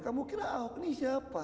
kamu kira ahok ini siapa